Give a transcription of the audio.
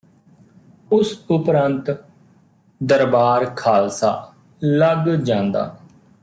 ਉਸ ਉਪਰੰਤ ਦਰਬਾਰ ਖਾਲਸਾ ਲੱਗ ਜਾਂਦਾ